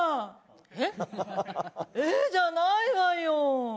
「えっ？」じゃないわよ。